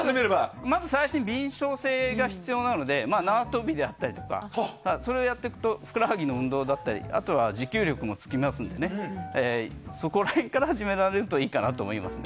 まず最初に敏しょう性が必要なので縄跳びであったりだとか。それをやっていくとふくらはぎの運動だったり持久力もつきますのでそこら辺から始められるといいかなと思います。